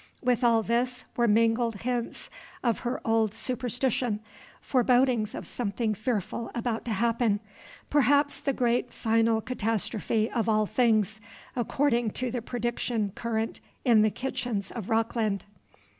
With all this were mingled hints of her old superstition, forebodings of something fearful about to happen, perhaps the great final catastrophe of all things, according to the prediction current in the kitchens of Rockland.